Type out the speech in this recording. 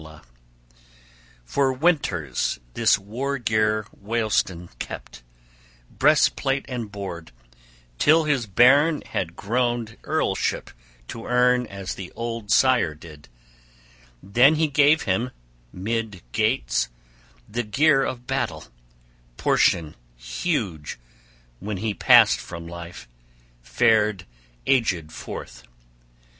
{34a} For winters this war gear Weohstan kept, breastplate and board, till his bairn had grown earlship to earn as the old sire did: then he gave him, mid Geats, the gear of battle, portion huge, when he passed from life, fared aged forth.